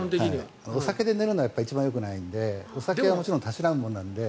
お酒で寝るのは一番よくないのでお酒はもちろんたしなむものなので。